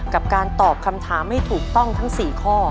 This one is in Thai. กับการตอบคำถามให้ถูกต้องทั้ง๔ข้อ